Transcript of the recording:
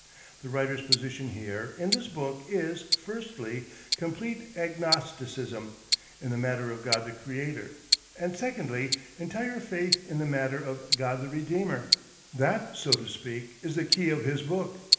The writer's position here in this book is, firstly, complete Agnosticism in the matter of God the Creator, and secondly, entire faith in the matter of God the Redeemer. That, so to speak, is the key of his book.